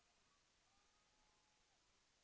แสวได้ไงของเราก็เชียนนักอยู่ค่ะเป็นผู้ร่วมงานที่ดีมาก